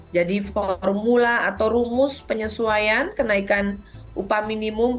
jadi formula atau rumus penyesuaian kenaikan upah minimum